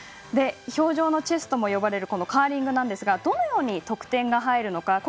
氷上のチェスとも呼ばれるこのカーリングですがどのように得点が入るのか